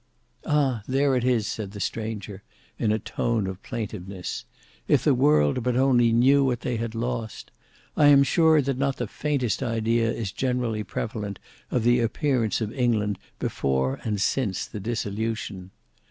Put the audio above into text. "Ah! there it is," said the stranger, in a tone of plaintiveness; "if the world but only knew what they had lost! I am sure that not the faintest idea is generally prevalent of the appearance of England before and since the dissolution.